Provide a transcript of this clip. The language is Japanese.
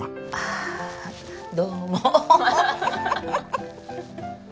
ああどうも。